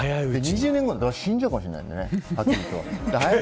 ２０年後だと死んじゃうかもしれないからね。